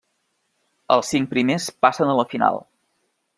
Els cincs primers passen a la final.